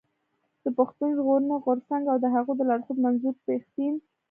د پښتون ژغورني غورځنګ او د هغه د لارښود منظور پښتين.